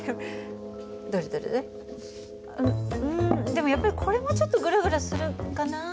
でもやっぱりこれもちょっとグラグラするかな。